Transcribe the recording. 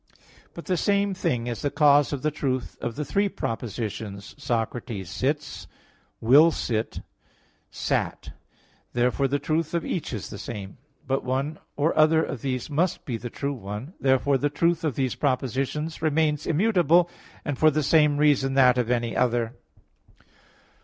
But the same thing is the cause of the truth of the three propositions, "Socrates sits, will sit, sat." Therefore the truth of each is the same. But one or other of these must be the true one. Therefore the truth of these propositions remains immutable; and for the same reason that of any other.